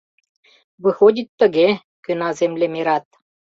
— Выходит тыге, — кӧна землемерат.